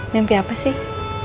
mimpi apa sih